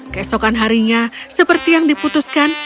kesokan harinya seperti yang diputuskan